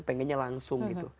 pengennya langsung gitu